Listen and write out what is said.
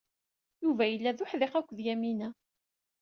Yuba yella d uḥidiq akked Yamina.